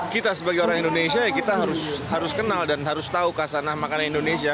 kita sebagai orang indonesia ya kita harus kenal dan harus tahu kasanah makanan indonesia